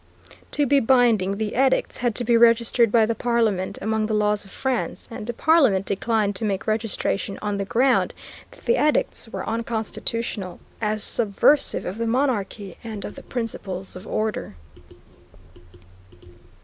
To be binding, the edicts had to be registered by the Parliament among the laws of France, and Parliament declined to make registration on the ground that the edicts were unconstitutional, as subversive of the monarchy and of the principle of order.